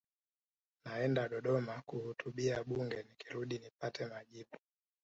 naenda dodoma kuhutubia bunge nikirudi nipate majibu